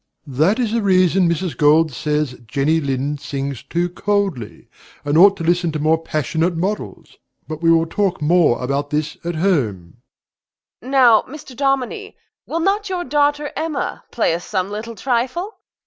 DOMINIE. That is the reason Mrs. Gold says that Jenny Lind sings too coldly, and ought to listen to more passionate models. But we will talk more about this at home. MRS. GOLD. Now, Mr. Dominie, will not your daughter Emma play us some little trifle?